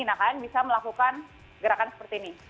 nah kalian bisa melakukan gerakan seperti ini